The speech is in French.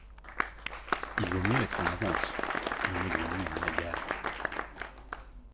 Il vaut mieux être en avance !… on examine la gare !